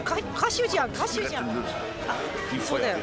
そうだよ。